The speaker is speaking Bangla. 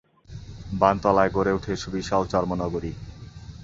বানতলায় গড়ে ওঠে সুবিশাল চর্মনগরী।